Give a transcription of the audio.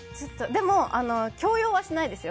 でも強要はしないです。